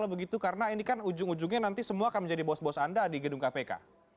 begitu karena ini kan ujung ujungnya nanti semua akan menjadi bos bos anda di gedung kpk